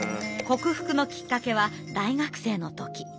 克服のきっかけは大学生の時。